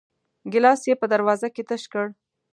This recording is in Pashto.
ګيلاس يې په دروازه کې تش کړ.